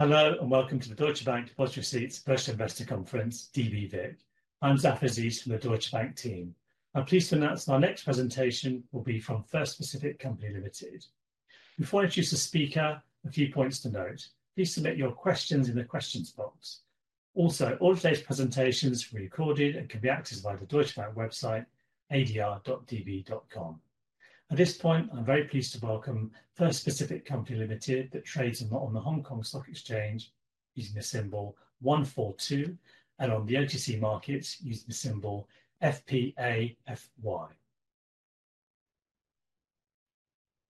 Hello, and welcome to the Deutsche Bank Deposit Receipts First Investor Conference, dbVIC. I'm Zafar Aziz from the Deutsche Bank team. I'm pleased to announce our next presentation will be from First Pacific Company Limited. Before I introduce the speaker, a few points to note. Please submit your questions in the questions box. Also, all today's presentations are recorded and can be accessed via the Deutsche Bank website, adr.db.com. At this point, I'm very pleased to welcome First Pacific Company Limited that trades on the Hong Kong Stock Exchange using the symbol 142 and on the OTC markets using the symbol FPAFY.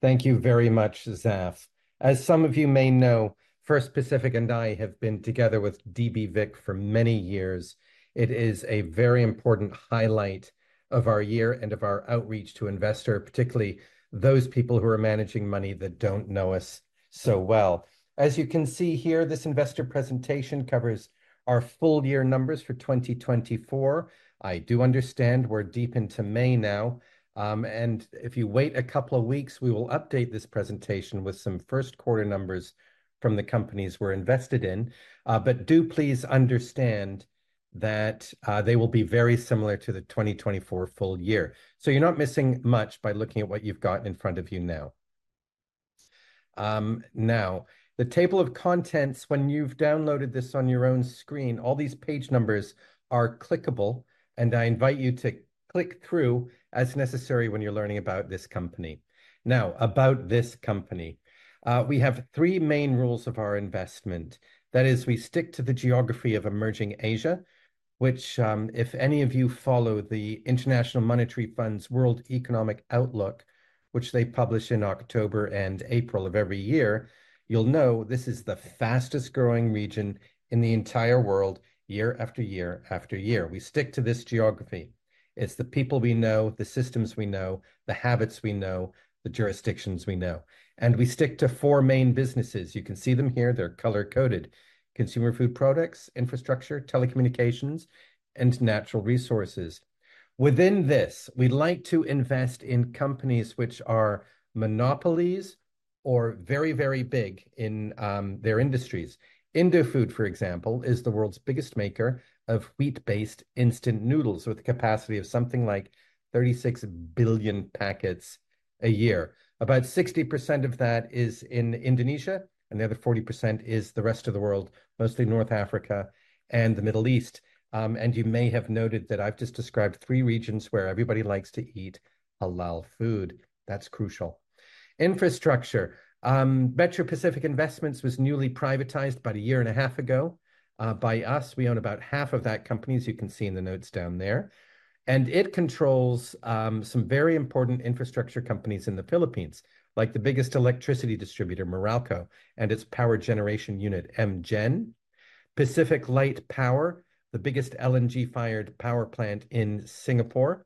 Thank you very much, Zaf. As some of you may know, First Pacific and I have been together with dbVIC for many years. It is a very important highlight of our year and of our outreach to investors, particularly those people who are managing money that do not know us so well. As you can see here, this investor presentation covers our full year numbers for 2024. I do understand we are deep into May now, and if you wait a couple of weeks, we will update this presentation with some first quarter numbers from the companies we are invested in. Do please understand that they will be very similar to the 2024 full year. You are not missing much by looking at what you have got in front of you now. Now, the table of contents, when you've downloaded this on your own screen, all these page numbers are clickable, and I invite you to click through as necessary when you're learning about this company. Now, about this company, we have three main rules of our investment. That is, we stick to the geography of emerging Asia, which, if any of you follow the International Monetary Fund's World Economic Outlook, which they publish in October and April of every year, you'll know this is the fastest growing region in the entire world, year-after-year-after-year. We stick to this geography. It's the people we know, the systems we know, the habits we know, the jurisdictions we know. We stick to four main businesses. You can see them here. They're color-coded: consumer food products, infrastructure, telecommunications, and natural resources. Within this, we'd like to invest in companies which are monopolies or very, very big in their industries. Indofood, for example, is the world's biggest maker of wheat-based instant noodles with a capacity of something like 36 billion packets a year. About 60% of that is in Indonesia, and the other 40% is the rest of the world, mostly North Africa and the Middle East. You may have noted that I've just described three regions where everybody likes to eat halal food. That's crucial. Infrastructure. Metro Pacific Investments was newly privatized about a year and a half ago by us. We own about half of that company, as you can see in the notes down there. It controls some very important infrastructure companies in the Philippines, like the biggest electricity distributor, Meralco, and its power generation unit, MGEN. Pacific Light Power, the biggest LNG-fired power plant in Singapore.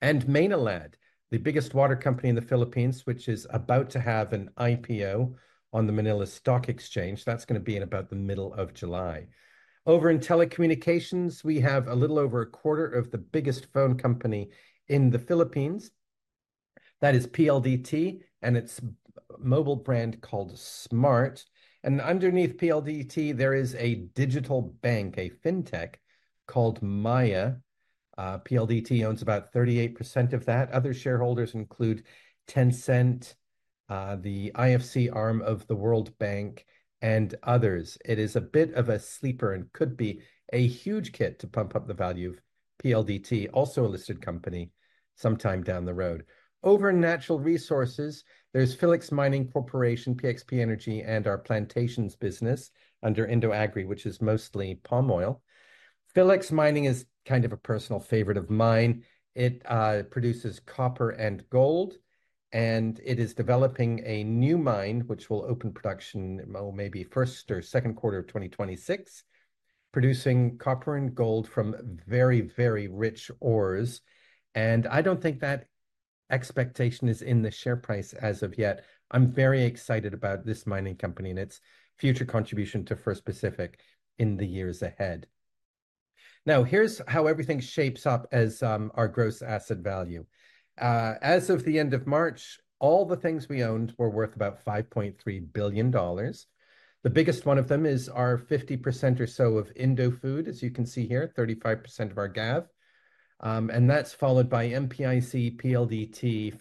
Main Alad, the biggest water company in the Philippines, which is about to have an IPO on the Manila Stock Exchange. That is going to be in about the middle of July. Over in telecommunications, we have a little over a quarter of the biggest phone company in the Philippines. That is PLDT, and its mobile brand called Smart. Underneath PLDT, there is a digital bank, a fintech called Maya. PLDT owns about 38% of that. Other shareholders include Tencent, the IFC arm of the World Bank, and others. It is a bit of a sleeper and could be a huge kit to pump up the value of PLDT, also a listed company sometime down the road. Over in natural resources, there is Philex Mining Corporation, PXP Energy, and our plantations business under IndoAgri, which is mostly palm oil. Philex Mining is kind of a personal favorite of mine. It produces copper and gold, and it is developing a new mine, which will open production maybe first or second quarter of 2026, producing copper and gold from very, very rich ores. I do not think that expectation is in the share price as of yet. I am very excited about this mining company and its future contribution to First Pacific in the years ahead. Now, here is how everything shapes up as our gross asset value. As of the end of March, all the things we owned were worth about $5.3 billion. The biggest one of them is our 50% or so of Indofood, as you can see here, 35% of our GAV. That is followed by MPIC, PLDT,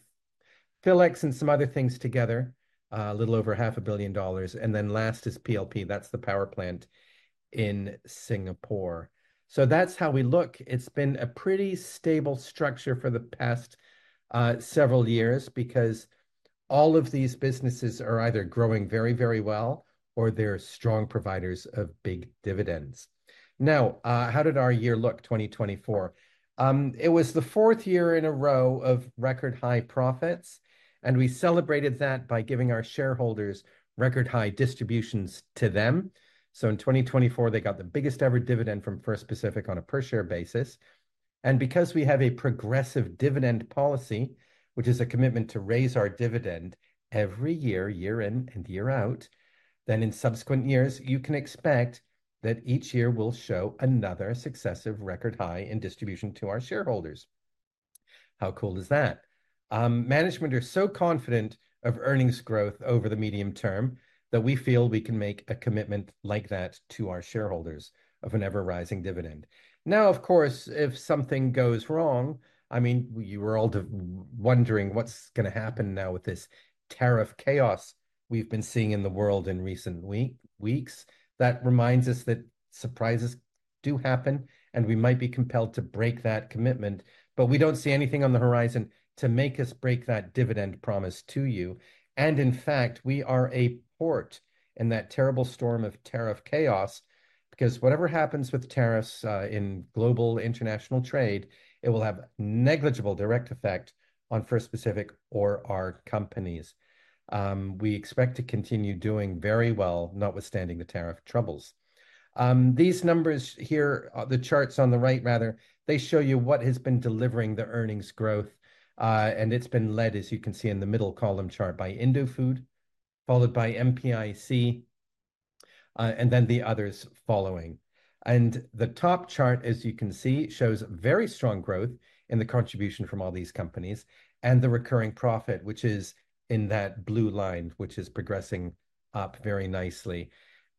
Philex, and some other things together, a little over half a billion dollars. Last is PLP. That is the power plant in Singapore. That is how we look. It's been a pretty stable structure for the past several years because all of these businesses are either growing very, very well or they're strong providers of big dividends. Now, how did our year look, 2024? It was the fourth year in a row of record high profits, and we celebrated that by giving our shareholders record high distributions to them. In 2024, they got the biggest ever dividend from First Pacific on a per-share basis. Because we have a progressive dividend policy, which is a commitment to raise our dividend every year, year in and year out, in subsequent years, you can expect that each year will show another successive record high in distribution to our shareholders. How cool is that? Management is so confident of earnings growth over the medium term that we feel we can make a commitment like that to our shareholders of an ever-rising dividend. Now, of course, if something goes wrong, I mean, you were all wondering what's going to happen now with this tariff chaos we've been seeing in the world in recent weeks. That reminds us that surprises do happen, and we might be compelled to break that commitment, but we don't see anything on the horizon to make us break that dividend promise to you. In fact, we are a port in that terrible storm of tariff chaos because whatever happens with tariffs in global international trade, it will have negligible direct effect on First Pacific or our companies. We expect to continue doing very well, notwithstanding the tariff troubles. These numbers here, the charts on the right, rather, they show you what has been delivering the earnings growth, and it's been led, as you can see in the middle column chart, by Indofood, followed by MPIC, and then the others following. The top chart, as you can see, shows very strong growth in the contribution from all these companies and the recurring profit, which is in that blue line, which is progressing up very nicely.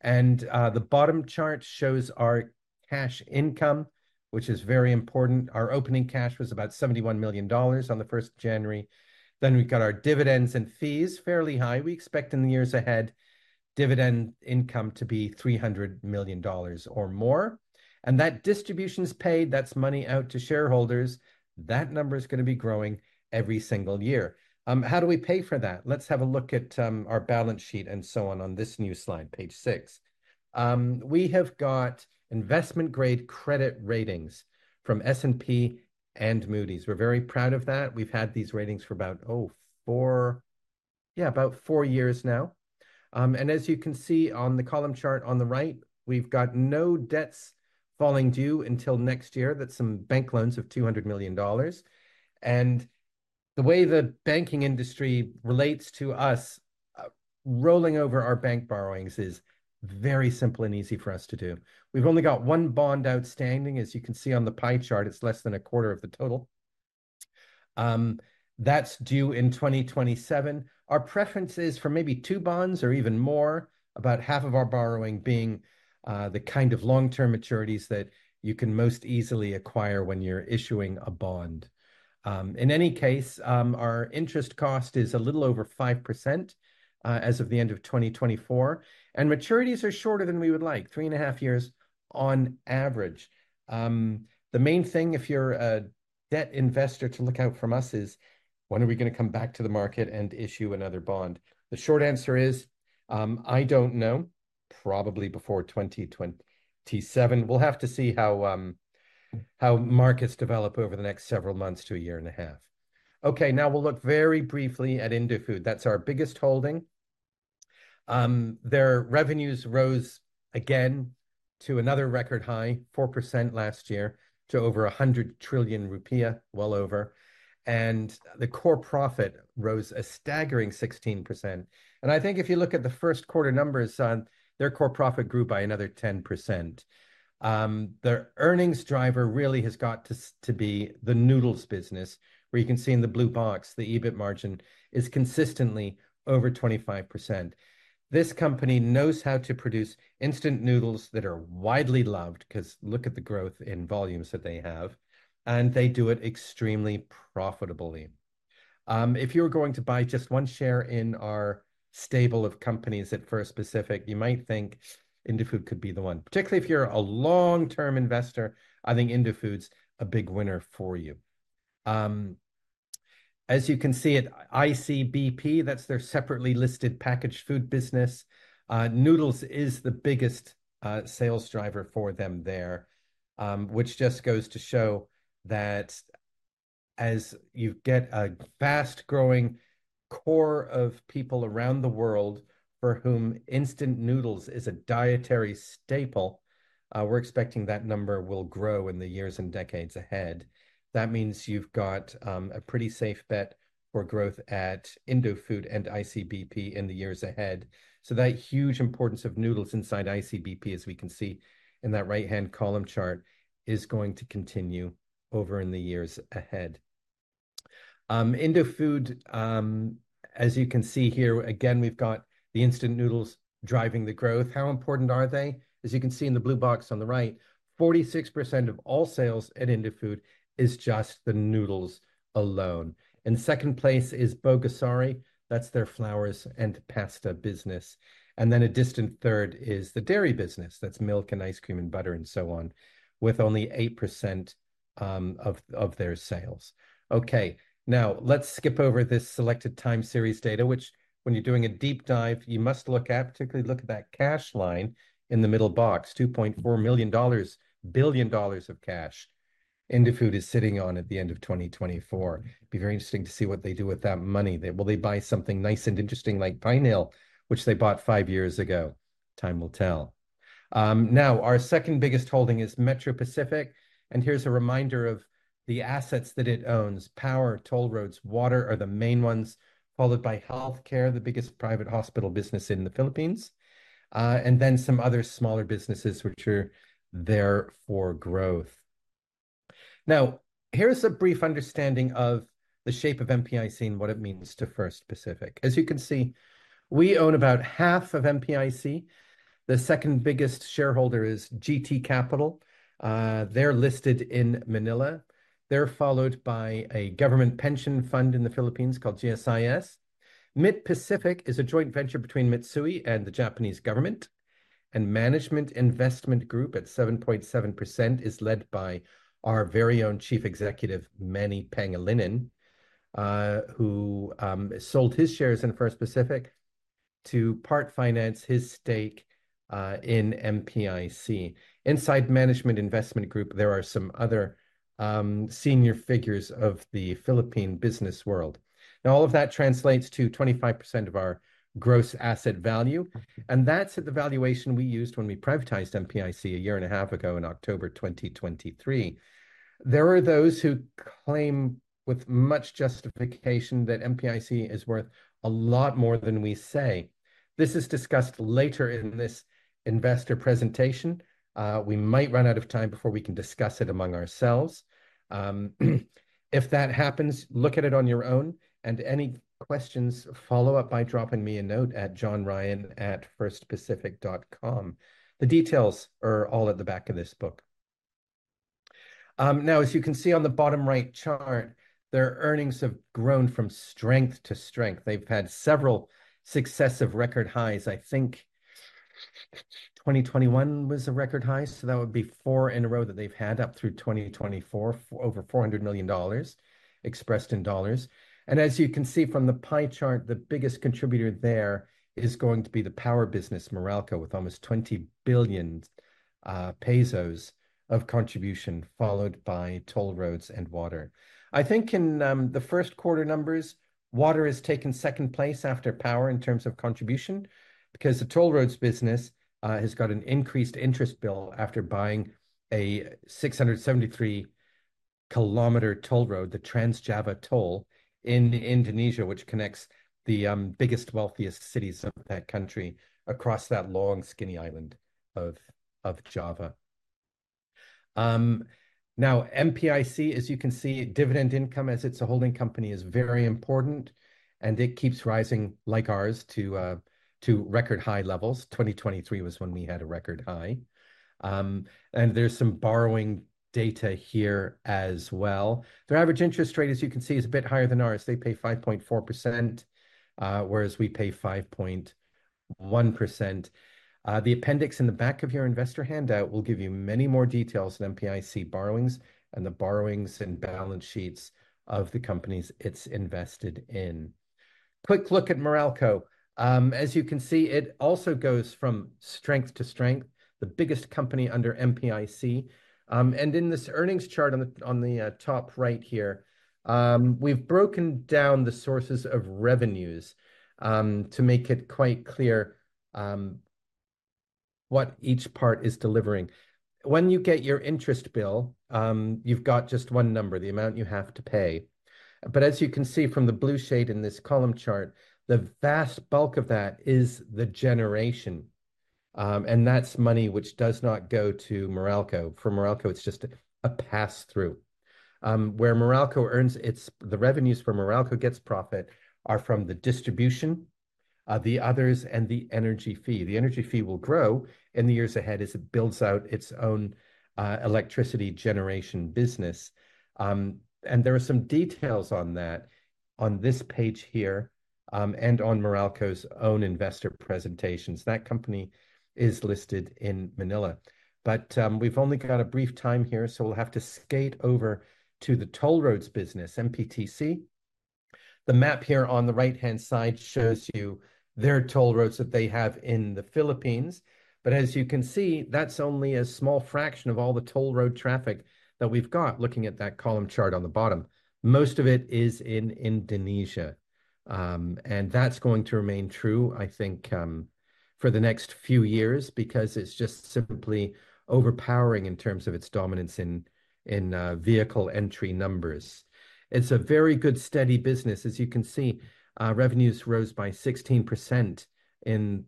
The bottom chart shows our cash income, which is very important. Our opening cash was about $71 million on the 1st of January. We have our dividends and fees, fairly high. We expect in the years ahead, dividend income to be $300 million or more. That distributions paid, that's money out to shareholders. That number is going to be growing every single year. How do we pay for that? Let's have a look at our balance sheet and so on on this new slide, page six. We have got investment-grade credit ratings from S&P and Moody's. We're very proud of that. We've had these ratings for about, oh, four, yeah, about four years now. As you can see on the column chart on the right, we've got no debts falling due until next year. That's some bank loans of $200 million. The way the banking industry relates to us rolling over our bank borrowings is very simple and easy for us to do. We've only got one bond outstanding. As you can see on the pie chart, it's less than a quarter of the total. That's due in 2027. Our preference is for maybe two bonds or even more, about half of our borrowing being the kind of long-term maturities that you can most easily acquire when you're issuing a bond. In any case, our interest cost is a little over 5% as of the end of 2024. Maturities are shorter than we would like, three and a half years on average. The main thing, if you're a debt investor, to look out from us is, when are we going to come back to the market and issue another bond? The short answer is, I don't know, probably before 2027. We'll have to see how markets develop over the next several months to a year and a half. Okay, now we'll look very briefly at Indofood. That's our biggest holding. Their revenues rose again to another record high, 4% last year, to over INR 100 lakh crore, well over. The core profit rose a staggering 16%. I think if you look at the first quarter numbers, their core profit grew by another 10%. Their earnings driver really has got to be the noodles business, where you can see in the blue box, the EBIT margin is consistently over 25%. This company knows how to produce instant noodles that are widely loved because look at the growth in volumes that they have, and they do it extremely profitably. If you were going to buy just one share in our stable of companies at First Pacific, you might think Indofood could be the one. Particularly if you're a long-term investor, I think Indofood's a big winner for you. As you can see, ICBP, that's their separately listed packaged food business. Noodles is the biggest sales driver for them there, which just goes to show that as you get a fast-growing core of people around the world for whom instant noodles is a dietary staple, we're expecting that number will grow in the years and decades ahead. That means you've got a pretty safe bet for growth at IndoFood and ICBP in the years ahead. That huge importance of noodles inside ICBP, as we can see in that right-hand column chart, is going to continue over in the years ahead. IndoFood, as you can see here, again, we've got the instant noodles driving the growth. How important are they? As you can see in the blue box on the right, 46% of all sales at IndoFood is just the noodles alone. In second place is Bogasari. That's their flour and pasta business. A distant third is the dairy business. That's milk and ice cream and butter and so on, with only 8% of their sales. Okay, now let's skip over this selected time series data, which when you're doing a deep dive, you must look at, particularly look at that cash line in the middle box, $2.4 billion of cash Indofood is sitting on at the end of 2024. It'd be very interesting to see what they do with that money. Will they buy something nice and interesting like Pinealle, which they bought five years ago? Time will tell. Now, our second biggest holding is Metro Pacific. Here's a reminder of the assets that it owns. Power, toll roads, water are the main ones, followed by healthcare, the biggest private hospital business in the Philippines, and then some other smaller businesses which are there for growth. Now, here's a brief understanding of the shape of MPIC and what it means to First Pacific. As you can see, we own about half of MPIC. The second biggest shareholder is GT Capital. They're listed in Manila. They're followed by a government pension fund in the Philippines called GSIS. Metro Pacific is a joint venture between Mitsui & Co. and the Japanese government. Management Investment Group at 7.7% is led by our very own Chief Executive, Manny Pangilinan, who sold his shares in First Pacific to part finance his stake in MPIC. Inside Management Investment Group, there are some other senior figures of the Philippine business world. All of that translates to 25% of our gross asset value. That's at the valuation we used when we privatized MPIC a year and a half ago in October 2023. There are those who claim with much justification that MPIC is worth a lot more than we say. This is discussed later in this investor presentation. We might run out of time before we can discuss it among ourselves. If that happens, look at it on your own. Any questions, follow up by dropping me a note at john.ryan@firstpacific.com. The details are all at the back of this book. Now, as you can see on the bottom right chart, their earnings have grown from strength to strength. They've had several successive record highs. I think 2021 was a record high, so that would be four in a row that they've had up through 2024, over $400 million expressed in dollars. As you can see from the pie chart, the biggest contributor there is going to be the power business, Meralco, with almost 20 billion pesos of contribution, followed by toll roads and water. I think in the first quarter numbers, water has taken second place after power in terms of contribution because the toll roads business has got an increased interest bill after buying a 673 km toll road, the Trans-Java Toll in Indonesia, which connects the biggest, wealthiest cities of that country across that long, skinny island of Java. Now, MPIC, as you can see, dividend income as it is a holding company is very important, and it keeps rising like ours to record high levels. 2023 was when we had a record high. There is some borrowing data here as well. Their average interest rate, as you can see, is a bit higher than ours. They pay 5.4%, whereas we pay 5.1%. The appendix in the back of your investor handout will give you many more details on MPIC borrowings and the borrowings and balance sheets of the companies it's invested in. Quick look at Meralco. As you can see, it also goes from strength to strength, the biggest company under MPIC. In this earnings chart on the top right here, we've broken down the sources of revenues to make it quite clear what each part is delivering. When you get your interest bill, you've got just one number, the amount you have to pay. As you can see from the blue shade in this column chart, the vast bulk of that is the generation. That's money which does not go to Meralco. For Meralco, it's just a pass-through. Where Meralco earns, the revenues for Meralco gets profit are from the distribution, the others, and the energy fee. The energy fee will grow in the years ahead as it builds out its own electricity generation business. There are some details on that on this page here and on Meralco's own investor presentations. That company is listed in Manila. We have only got a brief time here, so we will have to skate over to the toll roads business, MPTC. The map here on the right-hand side shows you their toll roads that they have in the Philippines. As you can see, that is only a small fraction of all the toll road traffic that we have got looking at that column chart on the bottom. Most of it is in Indonesia. That is going to remain true, I think, for the next few years because it is just simply overpowering in terms of its dominance in vehicle entry numbers. It is a very good steady business. As you can see, revenues rose by 16% in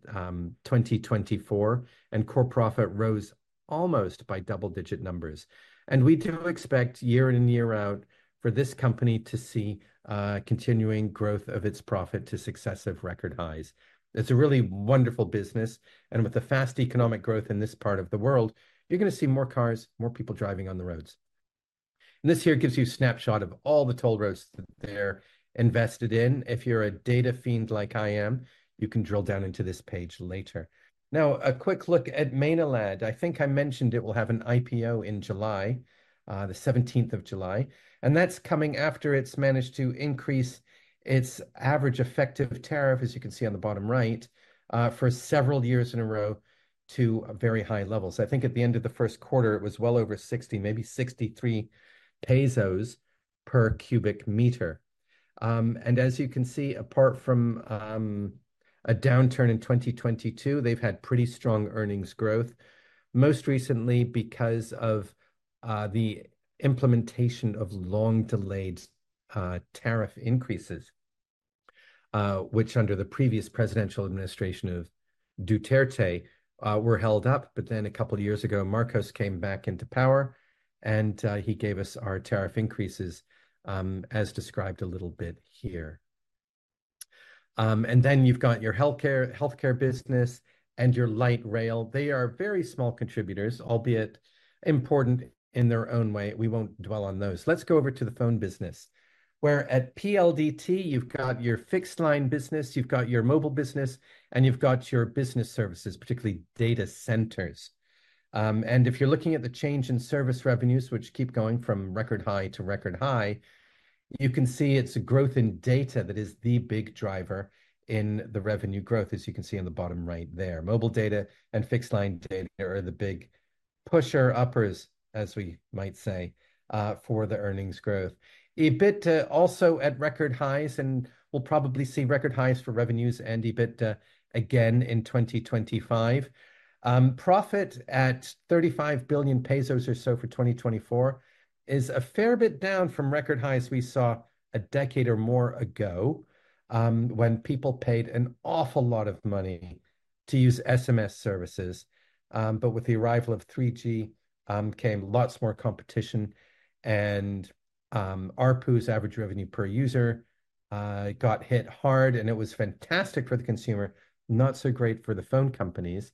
2024, and core profit rose almost by double-digit numbers. We do expect year in and year out for this company to see continuing growth of its profit to successive record highs. It is a really wonderful business. With the fast economic growth in this part of the world, you are going to see more cars, more people driving on the roads. This here gives you a snapshot of all the toll roads that they are invested in. If you are a data fiend like I am, you can drill down into this page later. Now, a quick look at Maynilad. I think I mentioned it will have an IPO in July, the 17th of July. That is coming after it has managed to increase its average effective tariff, as you can see on the bottom right, for several years in a row to very high levels. I think at the end of the first quarter, it was well over 60, maybe 63 pesos per cubic meter. As you can see, apart from a downturn in 2022, they have had pretty strong earnings growth, most recently because of the implementation of long-delayed tariff increases, which under the previous presidential administration of Duterte were held up. A couple of years ago, Marcos came back into power, and he gave us our tariff increases as described a little bit here. You have your healthcare business and your light rail. They are very small contributors, albeit important in their own way. We won't dwell on those. Let's go over to the phone business, where at PLDT, you've got your fixed line business, you've got your mobile business, and you've got your business services, particularly data centers. If you're looking at the change in service revenues, which keep going from record high to record high, you can see it's a growth in data that is the big driver in the revenue growth, as you can see on the bottom right there. Mobile data and fixed line data are the big pusher uppers, as we might say, for the earnings growth. EBITDA also at record highs, and we'll probably see record highs for revenues and EBITDA again in 2025. Profit at 35 billion pesos or so for 2024 is a fair bit down from record highs we saw a decade or more ago when people paid an awful lot of money to use SMS services. With the arrival of 3G, came lots more competition, and ARPU, average revenue per user, got hit hard, and it was fantastic for the consumer, not so great for the phone companies.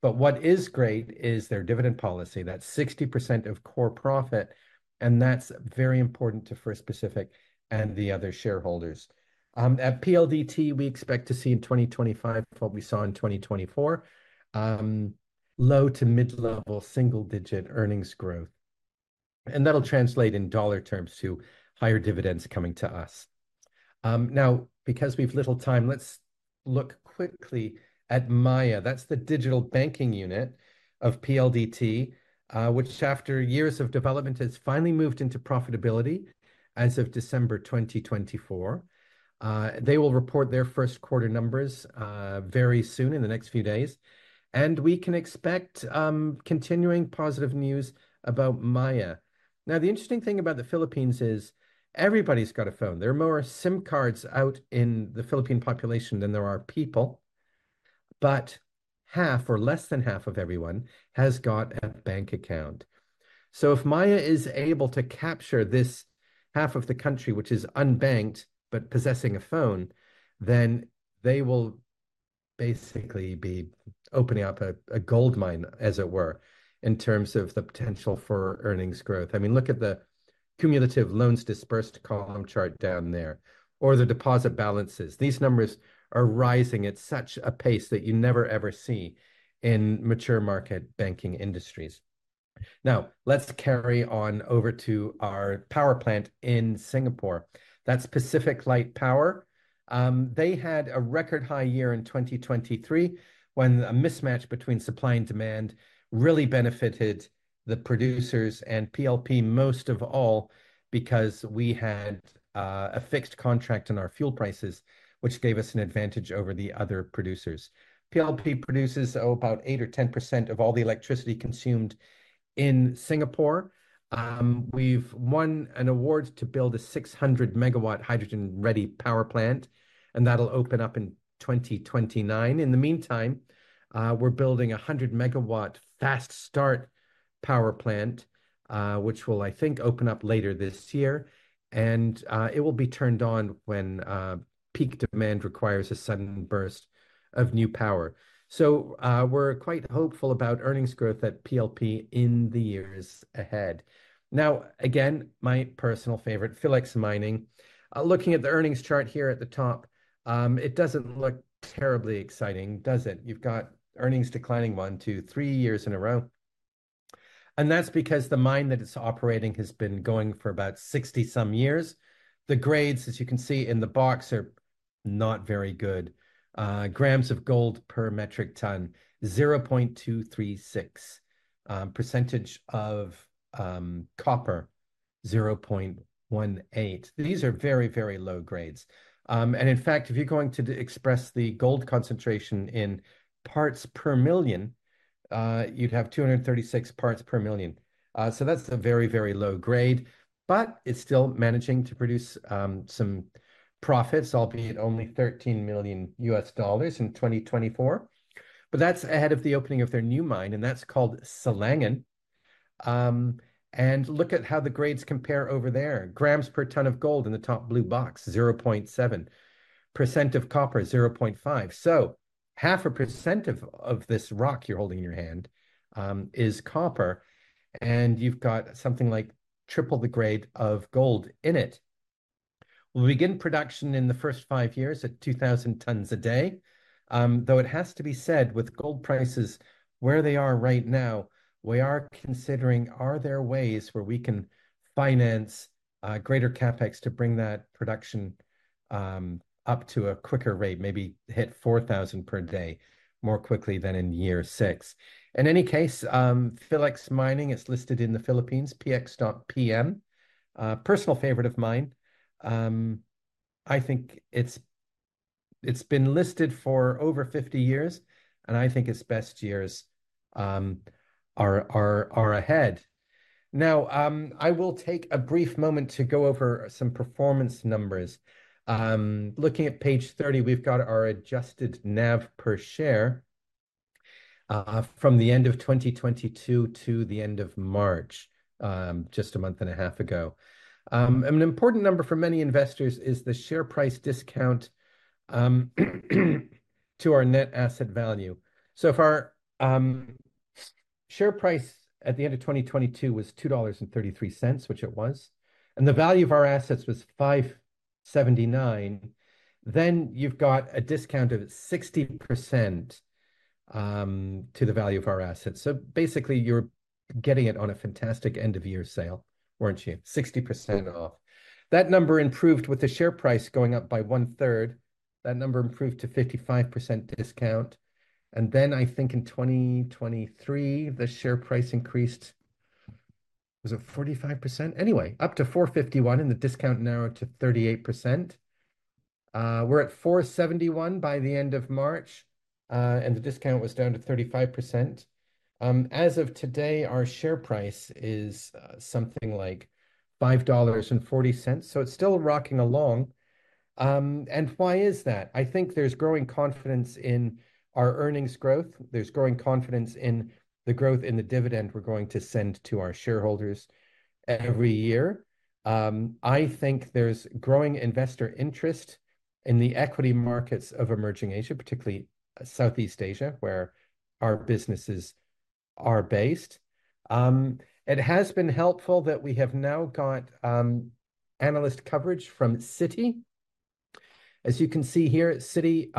What is great is their dividend policy, that 60% of core profit, and that's very important to First Pacific and the other shareholders. At PLDT, we expect to see in 2025 what we saw in 2024, low to mid-level single-digit earnings growth. That'll translate in dollar terms to higher dividends coming to us. Now, because we've little time, let's look quickly at Maya. That's the digital banking unit of PLDT, which after years of development has finally moved into profitability as of December 2024. They will report their first quarter numbers very soon in the next few days. We can expect continuing positive news about Maya. Now, the interesting thing about the Philippines is everybody's got a phone. There are more SIM cards out in the Philippine population than there are people, but half or less than half of everyone has got a bank account. If Maya is able to capture this half of the country, which is unbanked but possessing a phone, then they will basically be opening up a gold mine, as it were, in terms of the potential for earnings growth. I mean, look at the cumulative loans dispersed column chart down there, or the deposit balances. These numbers are rising at such a pace that you never ever see in mature market banking industries. Now, let's carry on over to our power plant in Singapore. That's Pacific Light Power. They had a record high year in 2023 when a mismatch between supply and demand really benefited the producers and PLP most of all because we had a fixed contract on our fuel prices, which gave us an advantage over the other producers. PLP produces about 8% or 10% of all the electricity consumed in Singapore. We've won an award to build a 600-megawatt hydrogen-ready power plant, and that'll open up in 2029. In the meantime, we're building a 100-megawatt fast-start power plant, which will, I think, open up later this year. It will be turned on when peak demand requires a sudden burst of new power. We're quite hopeful about earnings growth at PLP in the years ahead. Now, again, my personal favorite, Philex Mining. Looking at the earnings chart here at the top, it does not look terribly exciting, does it? You have earnings declining one, two, three years in a row. That is because the mine that it is operating has been going for about 60-some years. The grades, as you can see in the box, are not very good. Grams of gold per metric ton, 0.236. % of copper, 0.18%. These are very, very low grades. In fact, if you are going to express the gold concentration in parts per million, you would have 236 parts per million. That is a very, very low grade. It is still managing to produce some profits, albeit only $13 million in 2024. That is ahead of the opening of their new mine, and that is called Silangan. Look at how the grades compare over there. Grams per ton of gold in the top blue box, 0.7. % of copper, 0.5%. So half a % of this rock you're holding in your hand is copper. And you've got something like triple the grade of gold in it. We'll begin production in the first five years at 2,000 tons a day. Though it has to be said, with gold prices where they are right now, we are considering, are there ways where we can finance greater CapEx to bring that production up to a quicker rate, maybe hit 4,000 per day more quickly than in year six. In any case, Philex Mining, it's listed in the Philippines, PX.PM, personal favorite of mine. I think it's been listed for over 50 years, and I think its best years are ahead. Now, I will take a brief moment to go over some performance numbers. Looking at page 30, we've got our adjusted NAV per share from the end of 2022 to the end of March, just a month and a half ago. An important number for many investors is the share price discount to our net asset value. If our share price at the end of 2022 was $2.33, which it was, and the value of our assets was $5.79, then you've got a discount of 60% to the value of our assets. Basically, you're getting it on a fantastic end-of-year sale, weren't you? 60% off. That number improved with the share price going up by one-third. That number improved to 55% discount. I think in 2023, the share price increased, was it 45%? Anyway, up to $4.51 and the discount narrowed to 38%. We're at $4.71 by the end of March, and the discount was down to 35%. As of today, our share price is something like $5.40, so it's still rocking along. Why is that? I think there's growing confidence in our earnings growth. There's growing confidence in the growth in the dividend we're going to send to our shareholders every year. I think there's growing investor interest in the equity markets of emerging Asia, particularly Southeast Asia, where our businesses are based. It has been helpful that we have now got analyst coverage from Citi. As you can see here, Citi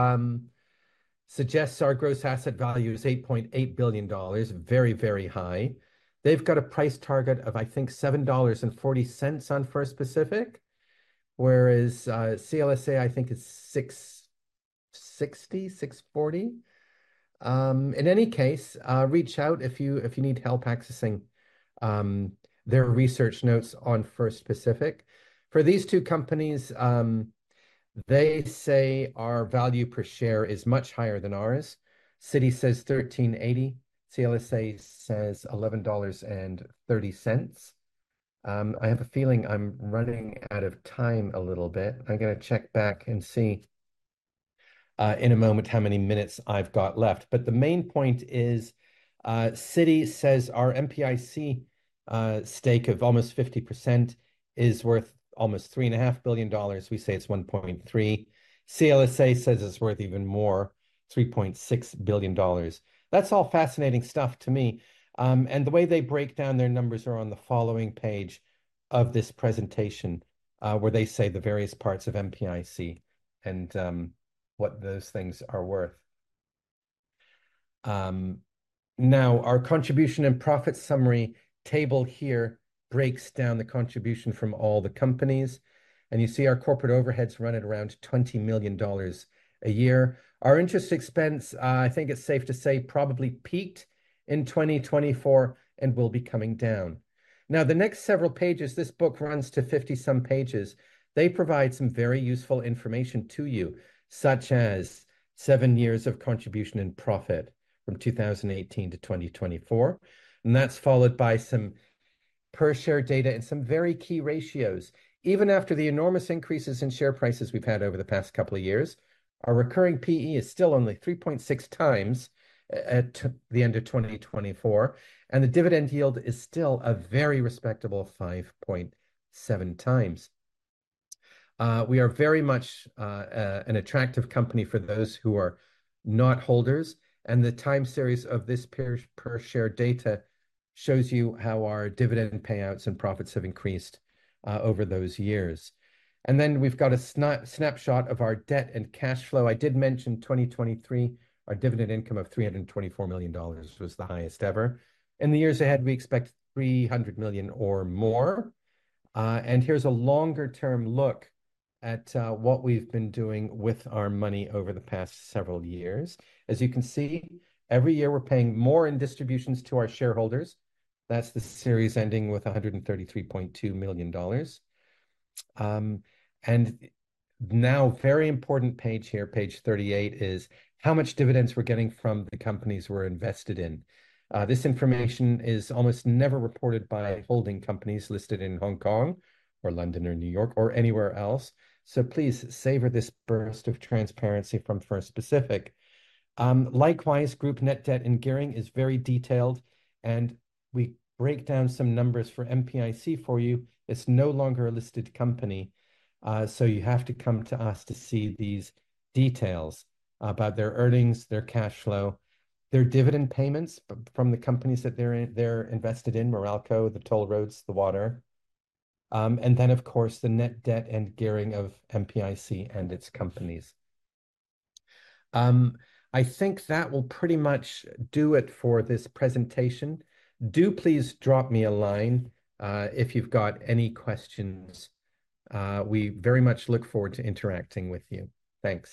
suggests our gross asset value is $8.8 billion, very, very high. They've got a price target of, I think, $7.40 on First Pacific, whereas CLSA, I think, is $6.60, $6.40. In any case, reach out if you need help accessing their research notes on First Pacific. For these two companies, they say our value per share is much higher than ours. Citi says $13.80. CLSA says $11.30. I have a feeling I'm running out of time a little bit. I'm going to check back and see in a moment how many minutes I've got left. The main point is Citi says our MPIC stake of almost 50% is worth almost $3.5 billion. We say it's $1.3 [billion]. CLSA says it's worth even more, $3.6 billion. That's all fascinating stuff to me. The way they break down their numbers are on the following page of this presentation, where they say the various parts of MPIC and what those things are worth. Now, our contribution and profit summary table here breaks down the contribution from all the companies. You see our corporate overheads run at around $20 million a year. Our interest expense, I think it's safe to say, probably peaked in 2024 and will be coming down. Now, the next several pages, this book runs to 50-some pages. They provide some very useful information to you, such as seven years of contribution and profit from 2018-2024. That is followed by some per-share data and some very key ratios. Even after the enormous increases in share prices we've had over the past couple of years, our recurring PE is still only 3.6 times at the end of 2024. The dividend yield is still a very respectable 5.7 times. We are very much an attractive company for those who are not holders. The time series of this per-share data shows you how our dividend payouts and profits have increased over those years. Then we've got a snapshot of our debt and cash flow. I did mention 2023, our dividend income of $324 million was the highest ever. In the years ahead, we expect $300 million or more. Here is a longer-term look at what we have been doing with our money over the past several years. As you can see, every year we are paying more in distributions to our shareholders. That is the series ending with $133.2 million. Now, very important page here, page 38, is how much dividends we are getting from the companies we are invested in. This information is almost never reported by holding companies listed in Hong Kong or London or New York or anywhere else. Please savor this burst of transparency from First Pacific. Likewise, group net debt and gearing is very detailed. We break down some numbers for MPIC for you. It is no longer a listed company. You have to come to us to see these details about their earnings, their cash flow, their dividend payments from the companies that they're invested in, Meralco, the Toll Roads, the Water. Then, of course, the Net Debt and gearing of MPIC and its companies. I think that will pretty much do it for this presentation. Do please drop me a line if you've got any questions. We very much look forward to interacting with you. Thanks.